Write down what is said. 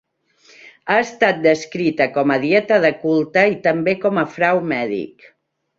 Ha estat descrita com a dieta de culte i també com a frau mèdic.